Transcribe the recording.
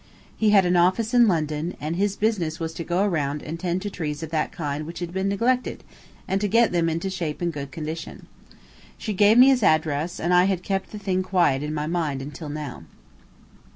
He had an office in London, and his business was to go around and tend to trees of that kind which had been neglected, and to get them into shape and good condition. She gave me his address, and I had kept the thing quiet in my mind until now.